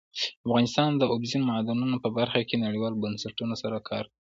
افغانستان د اوبزین معدنونه په برخه کې نړیوالو بنسټونو سره کار کوي.